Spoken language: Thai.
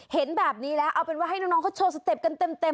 เห็นแบบนี้แล้วเอาเป็นว่าให้น้องเขาโชว์สเต็ปกันเต็ม